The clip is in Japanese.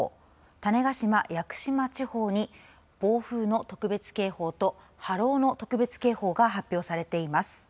種子島、屋久島地方に暴風の特別警報と波浪の特別警報が発表されています。